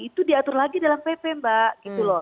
itu diatur lagi dalam pp mbak